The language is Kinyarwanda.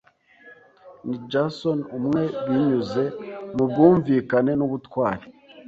Ni Jason umwe binyuze mubwumvikane n'ubutwari